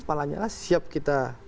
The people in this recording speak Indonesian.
pak lanyala siap kita